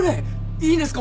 いいんですか？